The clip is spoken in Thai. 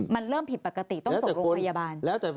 มันเริ่มผิดปกติต้องส่งโรงพยาบาล